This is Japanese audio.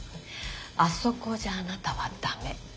あそこじゃあなたは駄目。